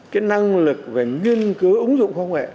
cái năng lực về nghiên cứu ứng dụng khoa nghệ